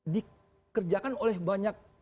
dikerjakan oleh banyak